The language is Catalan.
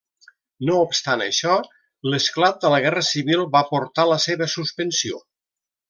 No obstant això, l'esclat de la Guerra Civil va portar la seva suspensió.